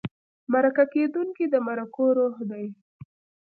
مرکه کېدونکی د مرکو روح دی.